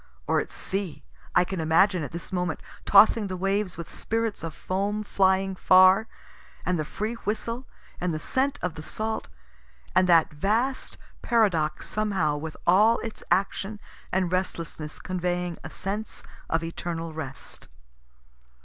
Or at sea, I can imagine it this moment, tossing the waves, with spirits of foam flying far, and the free whistle, and the scent of the salt and that vast paradox somehow with all its action and restlessness conveying a sense of eternal rest.